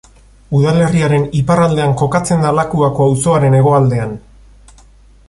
Udalerriaren iparraldean kokatzen da Lakuako auzoaren hegoaldean.